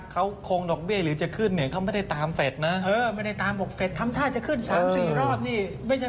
เขาคงดอกเบี้ยหรือจะขึ้นเนี่ยเขาไม่ได้ตามเฟสนะเออไม่ได้ตามบอกเฟสทำท่าจะขึ้น๓๔รอบนี่ไม่ใช่